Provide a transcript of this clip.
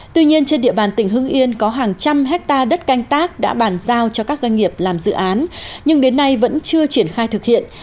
tuy nhiên trên địa bàn tỉnh hưng yên có hàng trăm hectare đất canh tác đã bàn giao cho các doanh nghiệp làm dự án nhưng đến nay vẫn chưa triển khai thực hiện